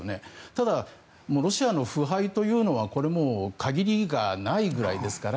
ただ、ロシアの腐敗というのは限りがないぐらいですから。